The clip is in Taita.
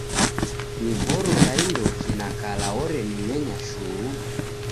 Ni voro ra indoki na kala orenimenya shuu?